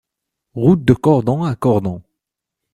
Route de Cordon à Cordon